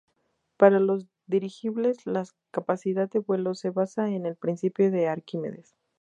Para los dirigibles la capacidad de vuelo se basa en el principio de Arquímedes.